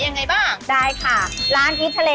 ยังไงบ้างได้ค่ะร้านกิ๊บทะเล